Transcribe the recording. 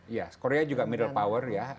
iya korea juga middle power ya